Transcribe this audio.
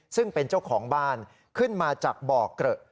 ซึ่งเป็นเจ้าของบ้านขึ้นมาจากบ่อเกลอะ